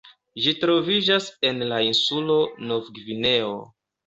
Ĝi troviĝas en la insulo Novgvineo.